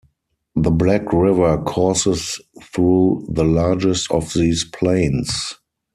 The Black River courses through the largest of these plains.